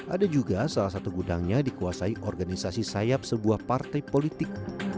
ada juga salah satu gudangnya dikuasai organisasi sayap sebuah partai politik